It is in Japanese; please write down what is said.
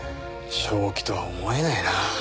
正気とは思えないな。